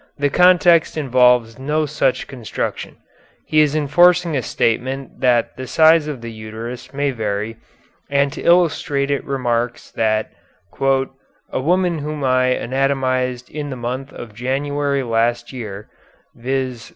The context involves no such construction. He is enforcing a statement that the size of the uterus may vary, and to illustrate it remarks that 'a woman whom I anatomized in the month of January last year, viz.